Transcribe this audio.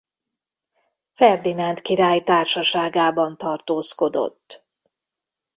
Ferdinánd király társaságában tartózkodott.